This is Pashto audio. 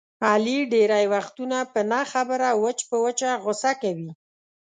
علي ډېری وختونه په نه خبره وچ په وچه غوسه کوي.